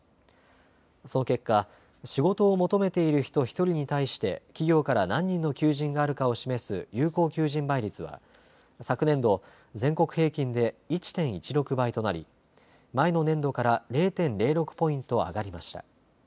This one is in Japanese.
その結果、仕事を求めている人１人に対して企業から何人の求人があるかを示す有効求人倍率は昨年度、全国平均で１．１６倍となり前の年度から０．０６ポイント上がりました。